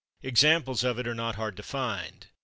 Examples of it are not hard to find.